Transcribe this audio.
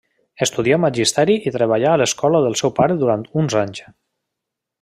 Estudià magisteri i treballà a l'escola del seu pare durant uns anys.